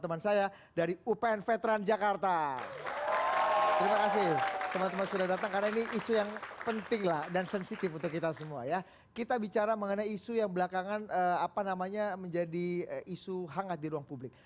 apa namanya menjadi isu hangat di ruang publik